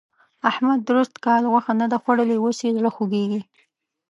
احمد درست کال غوښه نه ده خوړلې؛ اوس يې زړه خوږېږي.